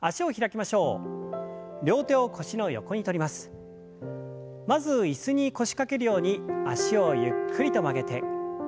まず椅子に腰掛けるように脚をゆっくりと曲げて。